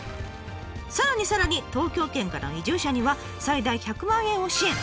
さらにさらに東京圏からの移住者には最大１００万円を支援。